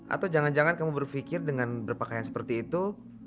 atau jangan jangan kamu berpikir dengan berpakaian seperti itu